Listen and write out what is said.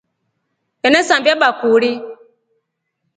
Enasambia bakuri.